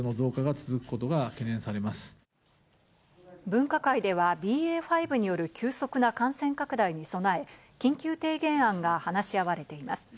分科会では、ＢＡ．５による急速な感染拡大に備え、緊急提言案が話し合われています。